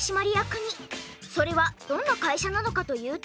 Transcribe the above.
それはどんな会社なのかというと。